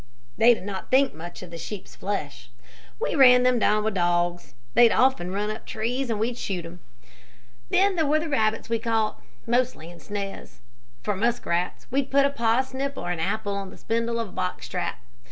"They did not think much of the sheep's flesh. We ran them down with dogs. They'd often run up trees, and we'd shoot them. Then there were rabbits that we caught, mostly in snares. For musk rats, we'd put a parsnip or an apple on the spindle of a box trap.